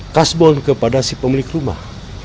kasbon kepada si pemilik rumah